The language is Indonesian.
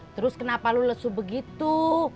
terus kenapa lu lesu begitu